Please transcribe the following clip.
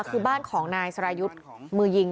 คือบ้านของนายสรายุทธ์มือยิง